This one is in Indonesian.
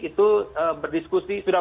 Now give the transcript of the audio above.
itu berdiskusi sudah